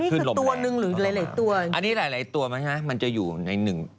คือลมแรกต่อมานะครับอันนี้หลายตัวมั้ยคะมันจะอยู่ในหนึ่ง